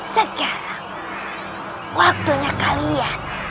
sekarang waktunya kalian